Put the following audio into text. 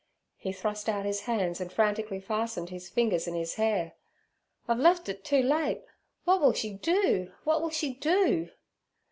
He thrust out his hands and frantically fastened his fingers in his hair. 'I've lef' it too late. W'at will she do? w'at will she do?'